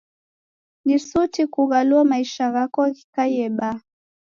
Ni suti kughaluo maisha ghako ghikaie baa.